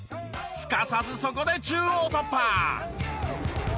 すかさずそこで中央突破！